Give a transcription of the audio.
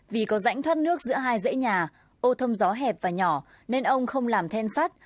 vì có rãnh thoát nước giữa hai dãy nhà ô thông gió hẹp và nhỏ nên ông không làm then sắt